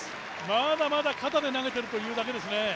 まだまだ肩で投げているというだけですね。